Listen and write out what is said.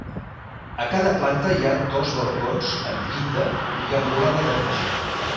A cada planta hi ha dos balcons amb llinda i amb volada decreixent.